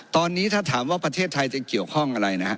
ตอนนี้ถ้าถามว่าประเทศไทยจะเกี่ยวข้องอะไรนะฮะ